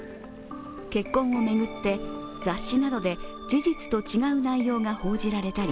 結婚を巡って、雑誌などで事実と違う内容が報じられたり